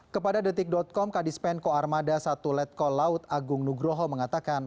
kepada detik com kadis penko armada satu letkol laut agung nugroho mengatakan